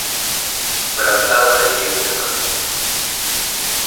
Fue la octava de diez hermanos.